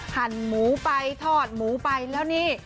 หั่นหมูไปทอดหมูไปแล้วนี่